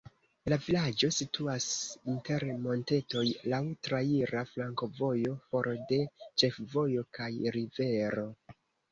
La vilaĝo situas inter montetoj, laŭ traira flankovojo, for de ĉefvojo kaj rivero.